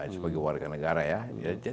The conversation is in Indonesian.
sebagai warga negara ya